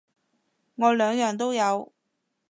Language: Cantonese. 我兩樣都有